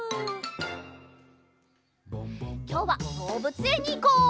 きょうはどうぶつえんにいこう！